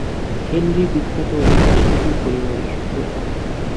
Henry বিখ্যাত অভিনয়শিল্পী পরিবারের প্রধান।